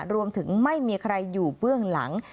รวมถึงไม่มีใครอยู่เบื้องหลัง